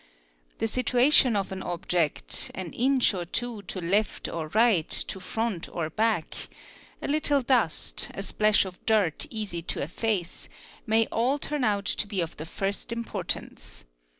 The situation of an object—an inch o two to left or right, to front or back,—a little dust, a splash of dirt eas. to efface, may all turn out to be of the first importance.